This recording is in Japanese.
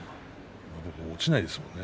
落ちないですね。